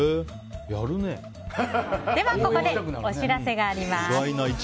ここでお知らせがあります。